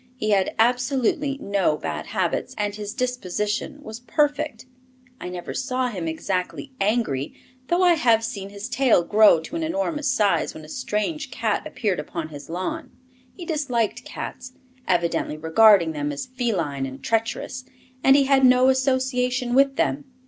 He had absolutely no bad habits, and his disposition was perfect. I never saw him exactly angry, though I have seen his tail grow to an enormous size when a strange cat appeared upon his lawn. He disliked cats, evidently regarding them as feline and treacherous, and he had no association with them.